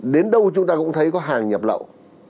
đến đâu chúng ta cũng thấy có hàng nhập lậu